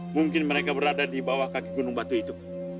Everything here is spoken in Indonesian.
mungkin mereka berada di bawah kaki gunung batu itu